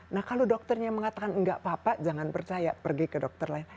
nah kalau dokternya mengatakan enggak apa apa jangan percaya pergi ke dokter lain